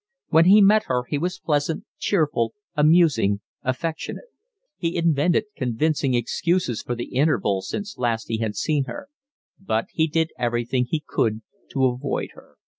When he met her he was pleasant, cheerful, amusing, affectionate; he invented convincing excuses for the interval since last he had seen her; but he did everything he could to avoid her.